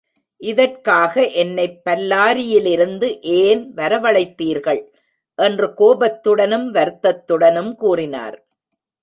இதற்காக என்னைப் பல்லாரியிலிருந்து ஏன் வரவழைத்தீர்கள்? என்று கோபத்துடனும் வருத்தத்துடனும் கூறினார்.